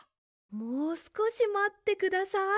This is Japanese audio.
もうすこしまってください。